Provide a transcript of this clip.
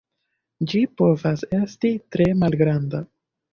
Ĝi povas esti tre malgranda.